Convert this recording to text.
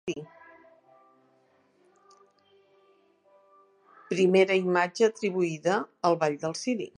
Primera imatge atribuïda al Ball del Ciri.